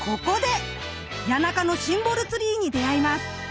谷中のシンボルツリーに出会います！